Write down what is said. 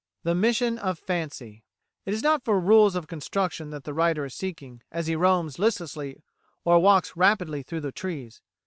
The Mission of Fancy "It is not for rules of construction that the writer is seeking, as he roams listlessly or walks rapidly through the trees.